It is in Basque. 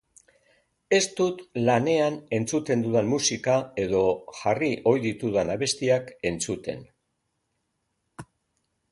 Ez dut lanean entzuten dudan musika edo jarri ohi ditudan abestiak entzuten.